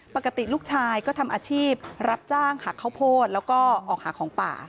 ปกติลูกชายก็ทำอาชีพรับจ้างหักข้าวโพดแล้วก็ออกหาของป่า